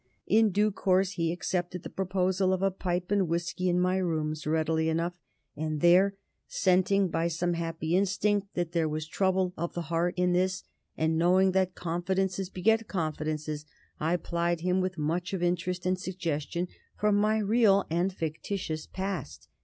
In due course, he accepted the proposal of a pipe and whisky in my rooms readily enough, and there, scenting by some happy instinct that there was trouble of the heart in this, and knowing that confidences beget confidences, I plied him with much of interest and suggestion from my real and fictitious past.